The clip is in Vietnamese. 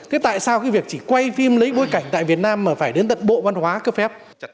thế tại sao cái việc chỉ quay phim lấy bối cảnh tại việt nam mà phải đến tận bộ văn hóa cấp phép